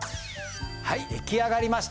はい出来上がりました。